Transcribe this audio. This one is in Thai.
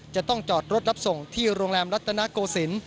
จะต้องจอดรถรับส่งที่โรงแรมรัตนโกศิลป์